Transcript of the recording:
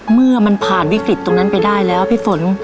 เมื่อผ่านวิกฤษไปแล้วนั้น